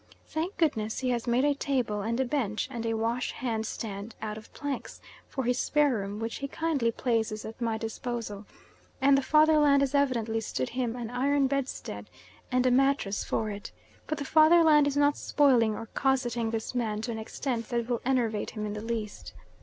Thank goodness he has made a table, and a bench, and a washhand stand out of planks for his spare room, which he kindly places at my disposal; and the Fatherland has evidently stood him an iron bedstead and a mattress for it. But the Fatherland is not spoiling or cosseting this man to an extent that will enervate him in the least.